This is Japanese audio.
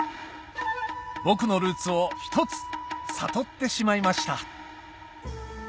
僕のルーツを１つ悟ってしまいました